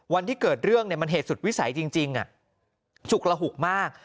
วันที่เกิดเรื่องมันเหตุสุดวิสัยจริงฉุกระหุกมาก